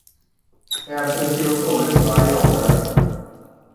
È altresì autore di varie opere.